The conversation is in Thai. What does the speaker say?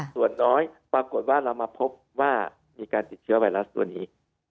ส่วนน้อยปรากฏว่าเรามาพบว่ามีการติดเชื้อไวรัสตัวนี้